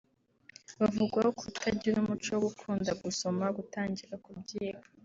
bavugwaho kutagira umuco wo gukunda gusoma gutangira kubyiga